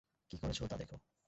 কি করেছ তা দেখো!